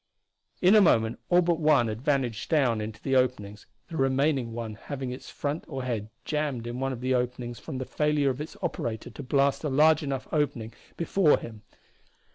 In a moment all but one had vanished down into the openings, the remaining one having its front or head jammed in one of the openings from the failure of its operator to blast a large enough opening before him.